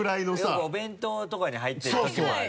よくお弁当とかに入ってるときもある。